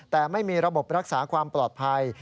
แต่ไม่มีระบบรักษาความปลอดภัย